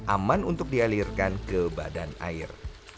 aman untuk dialirkan ke badan air